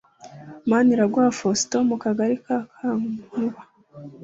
Maniraguha Faustin wo mu Kagali ka Kankuba